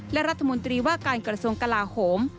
และรัฐมนตรีว่าการกรสงค์กลาโถม